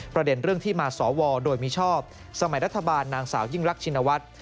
ประเด็นเรื่องที่มาสวโดยมิชอบสมัยรัฐบาลนางสาวยิ่งรักชินวัฒน์